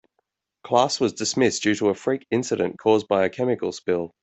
Class was dismissed due to a freak incident caused by a chemical spill.